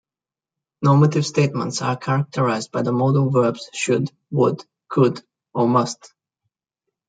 Normative statements are characterised by the modal verbs "should", "would", "could" or "must".